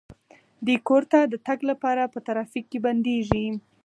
دوی کور ته د تګ لپاره په ترافیک کې بندیږي